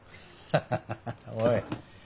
ハハハおい。